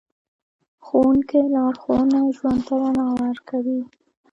د ښوونکي لارښوونه ژوند ته رڼا ورکوي.